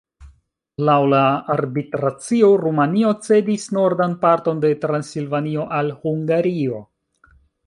Laŭ la arbitracio Rumanio cedis nordan parton de Transilvanio al Hungario.